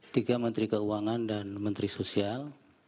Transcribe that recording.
tiga menteri keuangan dan menteri sosial